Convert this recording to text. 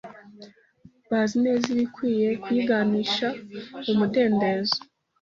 bazi neza ibikwiye kuyiganisha mu mudendezo